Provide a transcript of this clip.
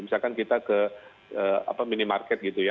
misalkan kita ke minimarket gitu ya